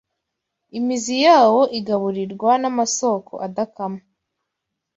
Imizi yawo igaburirwa n’amasōko adakama